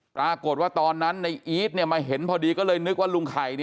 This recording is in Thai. ปรากฏว่าตอนนั้นในอีทมาเห็นพอดีก็เลยนึกว่าลุงไข่